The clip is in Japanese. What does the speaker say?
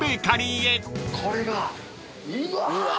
これが？うわ！